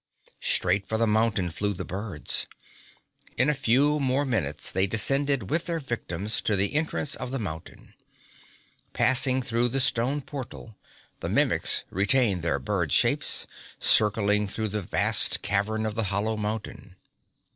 Straight for the mountain flew the birds. In a few more minutes they descended with their victims to the entrance of the mountain. Passing through the stone portal, the Mimics retained their bird shapes, circling through the vast cavern of the hollow mountain.